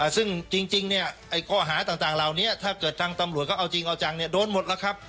ซึ่งจริงเนี่ยข้อหาต่างเหล่านี้ถ้าเกิดทางตำรวจเขาเอาจริงเอาจังโดนหมดแล้วครับ